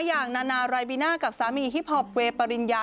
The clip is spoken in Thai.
อย่างนานารายบิน่ากับสามีฮิปพอปเวย์ปริญญา